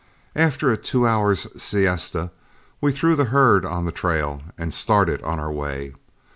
After a two hours' siesta, we threw the herd on the trail and started on our way.